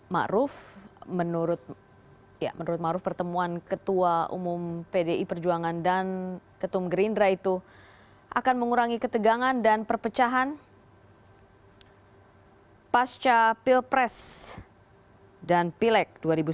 ⁇ maruf ⁇ menurut maruf pertemuan ketua umum pdi perjuangan dan ketum gerindra itu akan mengurangi ketegangan dan perpecahan pasca pilpres dan pileg dua ribu sembilan belas